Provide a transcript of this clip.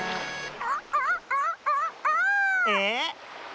えっ？